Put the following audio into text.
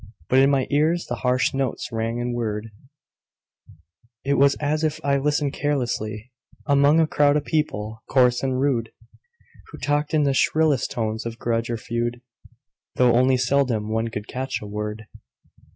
But in my ears the harsh notes rang and whirred; It was as if I listened carelessly Among a crowd of people coarse and rude, Who talked in shrillest tones of grudge or feud, Though only seldom one could catch a word.